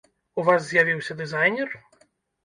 У вас з'явіўся дызайнер?